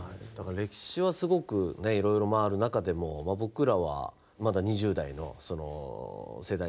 歴史はすごくいろいろ回る中でも僕らはまだ２０代の世代だったんでみんな。